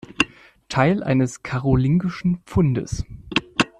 Teil eines karolingischen Pfundes.